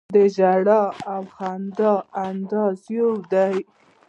د ژړا او د خندا انداز یې یو دی.